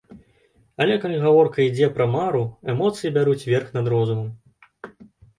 Але калі гаворка ідзе пра мару, эмоцыі бяруць верх над розумам.